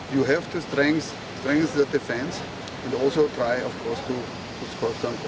anda harus memperkuat pengembangan dan juga mencoba untuk menang